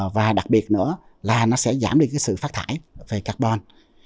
và đặc biệt nữa là nó sẽ giảm đi sự phát thải về carbon